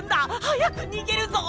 はやくにげるぞ！